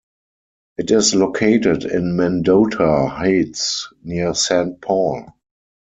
It is located in Mendota Heights near Saint Paul.